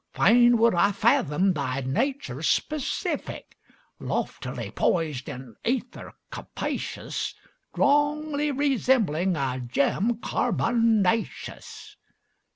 Fain would I fathom thy nature's specific Loftily poised in ether capacious. Strongly resembling a gem carbonaceous.